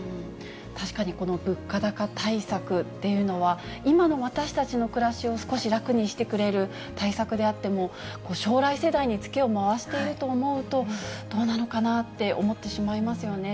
確かにこの物価高対策というのは、今の私たちの暮らしを少し楽にしてくれる対策であっても、将来世代につけを回していると思うと、どうなのかなって思ってしまいますよね。